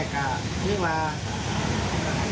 อะลงมะครับแล้วอะขอแม้คิดขอไปเลย